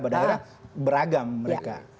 pemerintah daerah beragam mereka